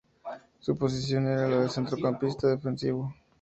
Su posición era la de centrocampista defensivo.